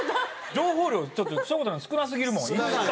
情報量ちょっとしょこたん少なすぎるもん。